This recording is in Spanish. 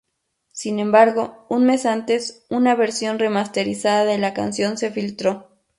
Sin embargo, un mes antes, una versión remasterizada de la canción se filtró.